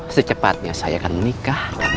secepatnya saya akan menikah